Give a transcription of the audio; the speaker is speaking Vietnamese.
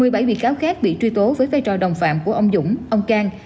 hai mươi bảy bị cáo khác bị truy tố với vai trò đồng phạm của ông dũng ông cang